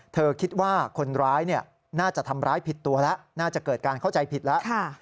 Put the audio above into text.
เธอคิดว่าคนร้ายน่าจะทำร้ายผิดตัวแล้วน่าจะเกิดการเข้าใจผิดแล้ว